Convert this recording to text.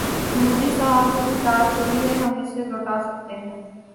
مودی صاحب نے جو چال چلی ہے، ہم اسے لوٹا سکتے ہیں۔